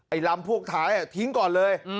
ลำพวกท้ายทิ้งก่อนเลย